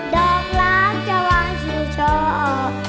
ดอกล้างจะวางชิวชอออก